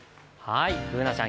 Ｂｏｏｎａちゃん